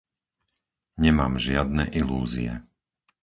Nemám žiadne ilúzie.